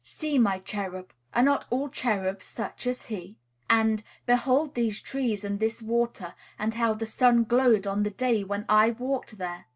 "See my cherub. Are not all cherubs such as he?" and "Behold these trees and this water; and how the sun glowed on the day when I walked there!"